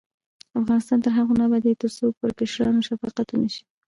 افغانستان تر هغو نه ابادیږي، ترڅو پر کشرانو شفقت ونشي.